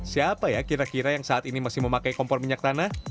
siapa ya kira kira yang saat ini masih memakai kompor minyak tanah